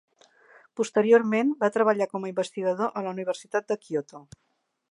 Posteriorment, va treballar com a investigador a la Universitat de Kyoto.